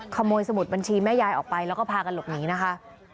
ขโมยสมุดบัญชีแม่ยายออกไปแล้วก็พากันหลบหนีนะคะ